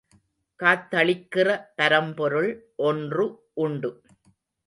காத்தளிக்கிற பரம்பொருள் ஒன்று உண்டு.